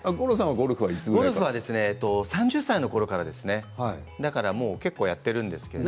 ゴルフは３０歳のころからですから結構やってるんですけど。